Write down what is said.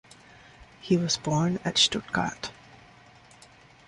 He was born at Stuttgart.